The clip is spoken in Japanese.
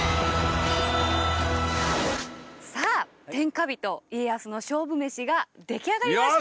さあ天下人家康の勝負メシが出来上がりました！